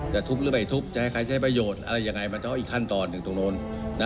จะทุบหรือไม่ทุบจะให้ใครใช้ประโยชน์อะไรยังไงมันต้องอีกขั้นตอนหนึ่งตรงโน้น